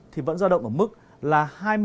thì vẫn gia động ở mức là